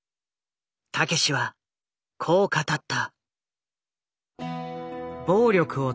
たけしはこう語った。